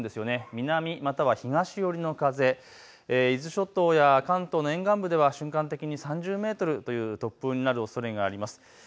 南または東寄りの風、伊豆諸島や関東の沿岸部では瞬間的に３０メートルという突風になるおそれがあります。